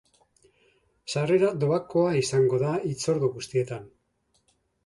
Sarrera doakoa izango da hitzordu guztietan.